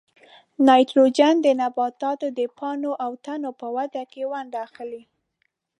نایتروجن د نباتاتو د پاڼو او تنو په وده کې ونډه اخلي.